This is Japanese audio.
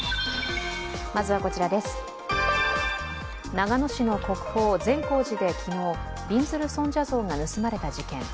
長野市の国宝・善光寺で昨日びんずる尊者像が盗まれた事件。